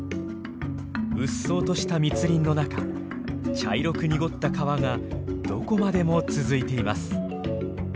鬱蒼とした密林の中茶色く濁った川がどこまでも続いています。